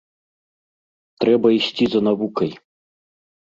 Трэба ісці за навукай.